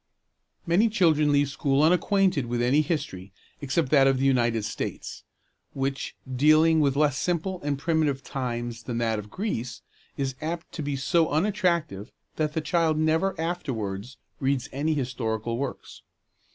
Many children leave school unacquainted with any history except that of the United States; which, dealing with less simple and primitive times than that of Greece, is apt to be so unattractive that the child never afterwards reads any historical works.